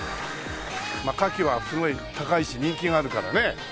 カキはすごい高いし人気があるからね。